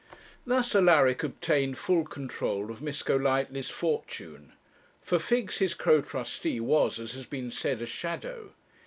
Thus Alaric obtained full control of Miss Golightly's fortune: for Figgs, his co trustee, was, as has been said, a shadow.